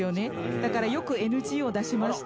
だからよくＮＧを出しました。